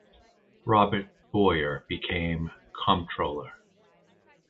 Robert Bowyer became Comptroller.